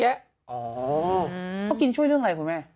อ๋อเพราะกินช่วยเรื่องอะไรครับคุณแม่